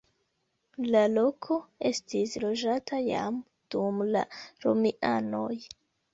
La loko estis loĝata jam dum la romianoj.